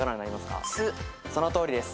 そのとおりです。